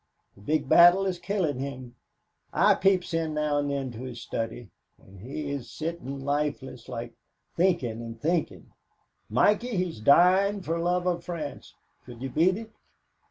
The big battle is killin' him. I peeps in now and then to his study and he is sittin' lifeless like, thinkin' and thinkin'. Mikey, he's dyin' for love of France, could you beat it?"